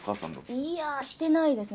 いやー、してないですね。